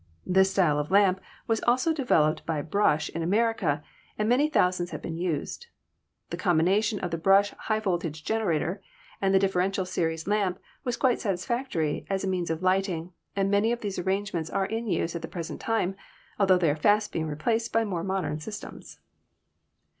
This style of lamp was also developed by Brush in America, and many thousands have been used. The combination of the Brush high voltage generator and the differential series lamp was quite satisfactory as a means of lighting, and many of these arrangements are in use at the present time, altho they are fast being replaced by more modern systems.